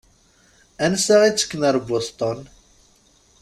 Ansa i ttekken ar Boston?